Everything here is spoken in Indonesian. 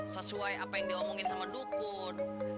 sesuai apa yang diomongin sama dukun